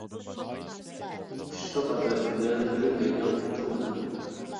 ئۇششۇق ئاداشتىن يەنە بىرى پەيدا بوپتۇ مانا!